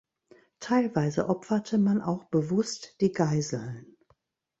Teilweise opferte man auch bewusst die Geiseln.